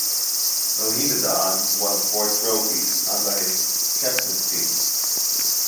Mohammedan won four trophies under his captaincy.